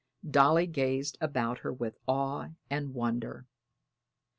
Dolly gazed about her with awe and wonder.